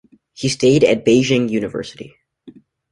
He stayed at Beijing Univ.